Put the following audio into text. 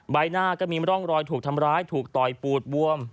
ใบหน้าก็มีร่องรอยถูกทำร้ายถูกต่อยปูดบวม